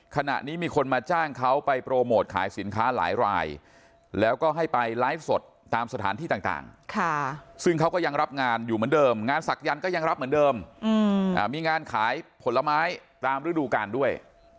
ขณะนี้มีคนมาจ้างเขาไปโปรโมทขายสินค้าหลายแล้วก็ให้ไปไลฟ์สดตามสถานที่ต่างซึ่งเขาก็ยังรับงานอยู่เหมือนเดิมงานศักยันต์ก็ยังรับเหมือนเดิมมีงานขายผลไม้ตามฤดูกาลด้วย